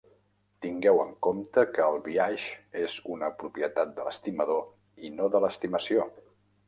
Tingueu en compte que el biaix és una propietat de l'estimador i no de l'estimació.